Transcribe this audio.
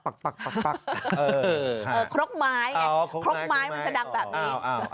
ครกไม้ไงครกไม้มันจะดังแบบนี้